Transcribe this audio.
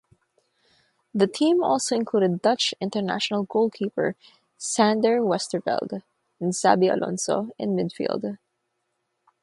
The team also included Dutch international goalkeeper Sander Westerveld and Xabi Alonso in midfield.